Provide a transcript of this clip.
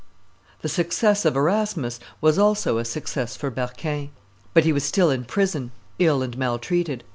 The success of Erasmus was also a success for Berquin; but he was still in prison, ill and maltreated.